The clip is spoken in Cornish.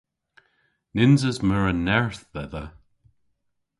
Nyns eus meur a nerth dhedha.